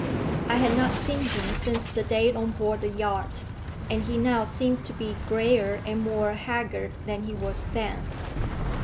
I had not seen him since the day on board the yacht, and he now seemed to be greyer and more haggard than he was then.